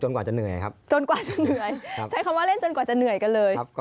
สนุนโดยอีซุสุข